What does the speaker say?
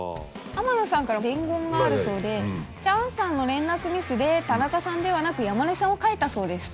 天野さんから伝言があるそうでチャンさんの連絡ミスで田中さんではなく山根さんを描いたそうです。